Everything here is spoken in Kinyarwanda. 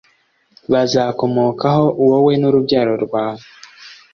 bizakomokaho wowe n urubyaro rwawe